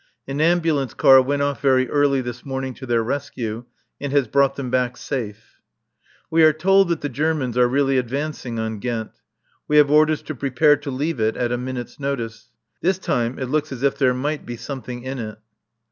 An Ambulance car went off very early this morning to their rescue and has brought them back safe. We are told that the Germans are really advancing on Ghent. We have orders to prepare to leave it at a minute's notice. This time it looks as if there might be something in it.